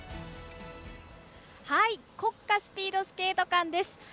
はい国家スピードスケート館です。